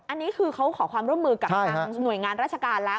อันนี้คือเขาขอความร่วมมือกับทางหน่วยงานราชการแล้ว